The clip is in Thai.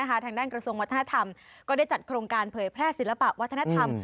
ทางด้านกระทรวงวัฒนธรรมก็ได้จัดโครงการเผยแพร่ศิลปะวัฒนธรรม